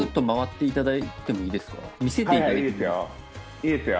いいですよ。